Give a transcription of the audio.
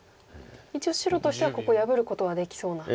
一応白としてはここ破ることはできそうな？